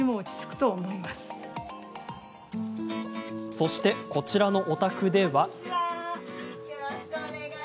そして、こちらのお宅では。